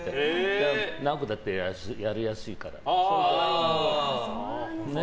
だから、ナオコだったらやりやすいから。